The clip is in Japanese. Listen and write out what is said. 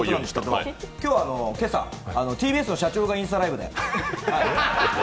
今日は今朝、ＴＢＳの社長がインスタライブで。